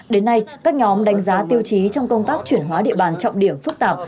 đến nay các nhóm đánh giá tiêu chí trong công tác chuyển hóa địa bàn trọng điểm phức tạp